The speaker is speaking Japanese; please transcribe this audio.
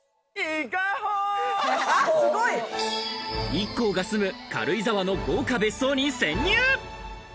ＩＫＫＯが住む軽井沢の豪華別荘に潜入。